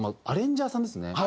アレンジャーさんですね。